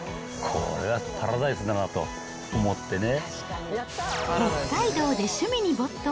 これはパラダイスだなと思ってね。